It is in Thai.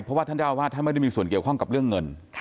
เพราะว่าท่านเจ้าอาวาสท่านไม่ได้มีส่วนเกี่ยวข้องกับเรื่องเงิน